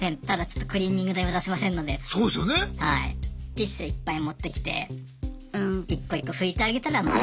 ティッシュいっぱい持ってきて１個１個拭いてあげたらまあ。